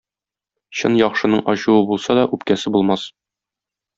Чын яхшының ачуы булса да, үпкәсе булмас.